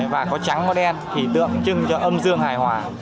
và có trắng có đen thì tượng trưng cho âm dương hài hòa